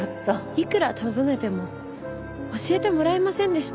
いくら尋ねても教えてもらえませんでした。